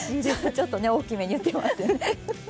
ちょっとね大きめに言ってますね。